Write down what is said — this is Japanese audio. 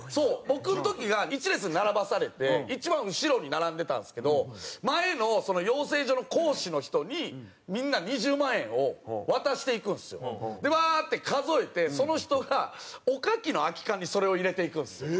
僕の時が１列に並ばされて一番後ろに並んでたんですけど前の養成所の講師の人にみんな２０万円を渡していくんですよ。でウワーって数えてその人がおかきの空き缶にそれを入れていくんですよ。